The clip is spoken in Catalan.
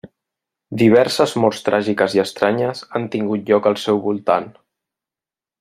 Diverses morts tràgiques i estranyes han tingut lloc al seu voltant.